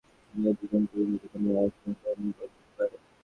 যদি দ্বিগুণ করি তবে কোনো অঘটন ঘটতে পারে!